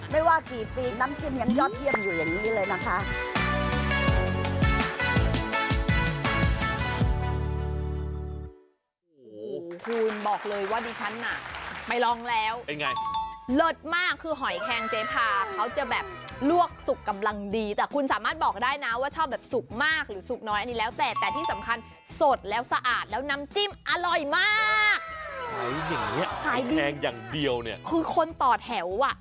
ไม่ว่ากี่ปีน้ำจิ้มยังยอดเยี่ยมอยู่อย่างนี้เลยนะคะ